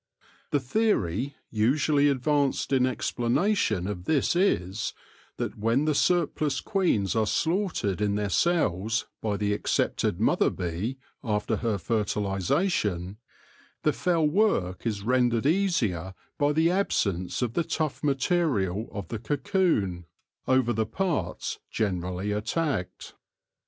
The theory usually advanced in explanation of this is, that when the surplus queens are slaughtered in their cells by the accepted mother bee after her fertilisation, the fell work is rendered easier by the absence of the tough material of the cocoon over the THE SOVEREIGN WORKER BEE 95 parts generally attacked.